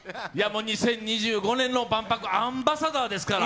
もう２０２５年の万博アンバサダーですから。